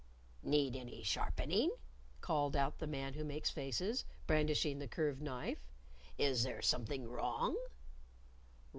"Need any sharpening?" called out the Man Who Makes Faces, brandishing the curved knife. "Is there something wrong?"